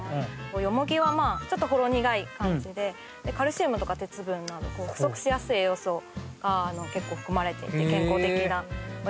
ヨモギはほろ苦い感じでカルシウムとか鉄分不足しやすい栄養素が結構含まれていて健康的な。